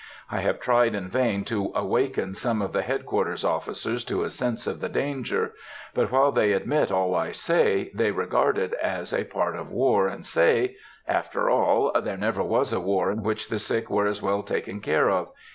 I have tried in vain to awaken some of the Head quarters officers to a sense of the danger; but while they admit all I say, they regard it as a part of war, and say, "After all, there never was a war in which the sick were as well taken care of.